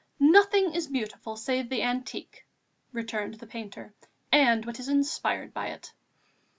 "Nothing is beautiful save the Antique," returned the painter, "and what is inspired by it.